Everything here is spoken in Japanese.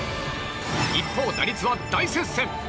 一方、打率は大接戦。